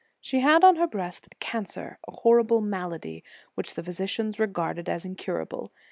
She had on her breast a cancer, a horrible malady, which the physicians regard as incurable.